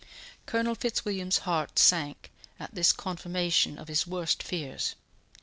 Colonel Fitzwilliam's heart sank at this confirmation of his worst fears.